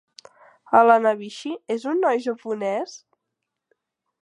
El Hanabishi és un noi japonès?